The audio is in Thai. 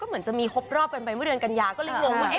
เพราะจำไม่ได้รู้ค่ะ